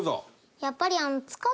やっぱり。